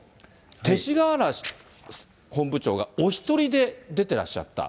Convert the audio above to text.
勅使河原氏、本部長がお一人で出てらっしゃった。